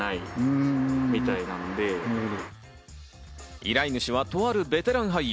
依頼主はとあるベテラン俳優。